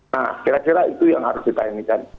nah kira kira itu yang harus kita inikan